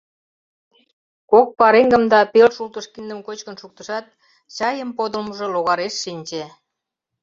Кок пареҥгым да пел шултыш киндым кочкын шуктышат, чайым подылмыжо логареш шинче.